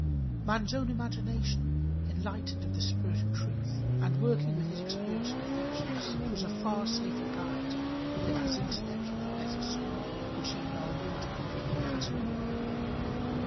Man's own imagination enlightened of the spirit of truth, and working with his experience and affections, was a far safer guide than his intellect with the best schooling which even our Lord could have given it.